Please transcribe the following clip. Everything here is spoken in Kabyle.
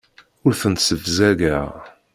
Ur tent-ssebzageɣ.